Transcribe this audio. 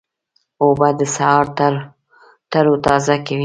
اوبه د سهار تروتازه کوي.